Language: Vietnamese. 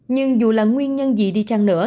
nhưng dù là nguyên nhân gì đi chăng nữa